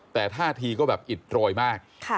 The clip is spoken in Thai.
แต่ท่าทีก็แบบอิดโรยมาก